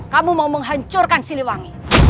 kamu mau menghancurkan siliwangi